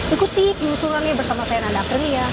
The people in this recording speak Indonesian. ikuti penelusurannya bersama saya nanda aprilia